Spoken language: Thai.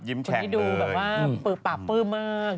ยิ้มแข็งเลยสอนี้ดูแบบว่าปื๊บปากปื๊บมาก